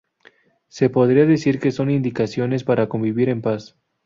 Se podría decir que son indicaciones para convivir en paz.